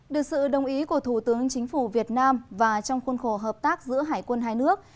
được sự đồng ý của thủ tướng chính phủ việt nam và trong khuôn khổ hợp tác giữa hải quân hai nước